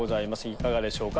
いかがでしょうか？